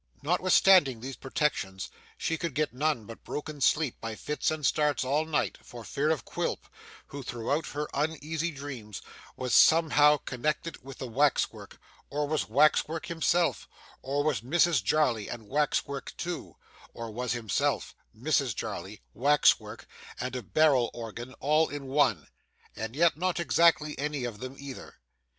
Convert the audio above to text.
Notwithstanding these protections, she could get none but broken sleep by fits and starts all night, for fear of Quilp, who throughout her uneasy dreams was somehow connected with the wax work, or was wax work himself, or was Mrs Jarley and wax work too, or was himself, Mrs Jarley, wax work, and a barrel organ all in one, and yet not exactly any of them either.